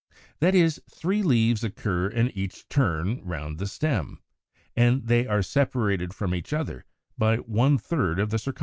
That is, three leaves occur in each turn round the stem, and they are separated from each other by one third of the circumference.